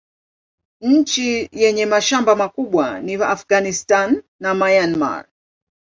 Nchi yenye mashamba makubwa ni Afghanistan na Myanmar.